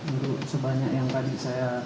untuk sebanyak yang tadi saya laporkan